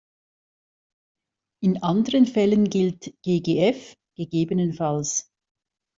In anderen Fällen gilt ggf.